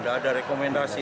tidak ada rekomendasi